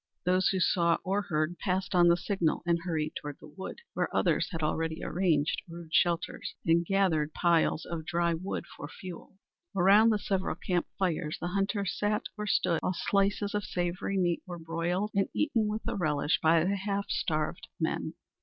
Those who saw or heard passed on the signal and hurried toward the wood, where others had already arranged rude shelters and gathered piles of dry wood for fuel. Around the several camp fires the hunters sat or stood, while slices of savory meat were broiled and eaten with a relish by the half starved men.